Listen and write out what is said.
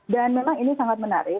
dan memang ini sangat menarik